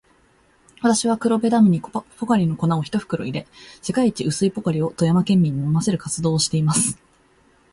私は、黒部ダムにポカリの粉を一袋入れ、世界一薄いポカリを富山県民に飲ませる活動をしています。